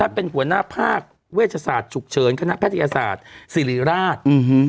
เป็นหัวหน้าภาคเวชศาสตร์ฉุกเฉินคณะแพทยศาสตร์ศิริราช